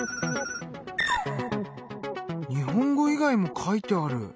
日本語以外も書いてある。